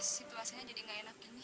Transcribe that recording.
situasinya jadi gak enak ini